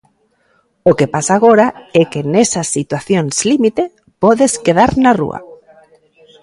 O que pasa agora é que nesas situacións límite podes quedar na rúa.